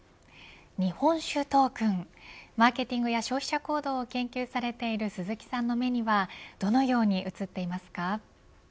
日本酒トークンマーケティングや消費者行動を研究されている鈴木さんの目にはどのように映っていますか。